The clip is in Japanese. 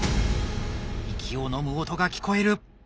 息をのむ音が聞こえる。